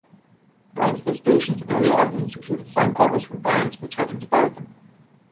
Brownsville Station's early albums included song covers from bands which had inspired them.